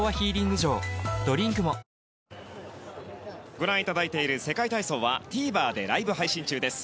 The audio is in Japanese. ご覧いただいている世界体操はＴＶｅｒでライブ配信中です。